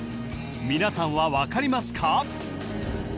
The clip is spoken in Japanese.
皆さんは分かりますか？